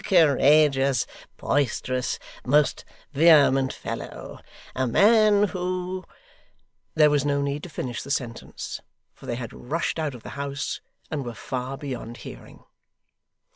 A courageous, boisterous, most vehement fellow! A man who ' There was no need to finish the sentence, for they had rushed out of the house, and were far beyond hearing.